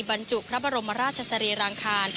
บรรจุพระบรมราชสรีรางคาร